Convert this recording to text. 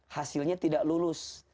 hasilnya tidak lulus